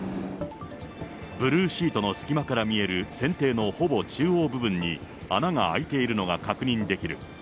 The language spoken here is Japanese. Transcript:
ブルーシートの隙間から見える船底のほぼ中央部分に、穴が開いているのが確認できる。